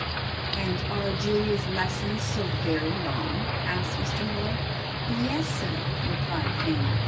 "And are Julia's lessons so very long?" asked Mr. Miller. "Yes, sir," replied Fanny.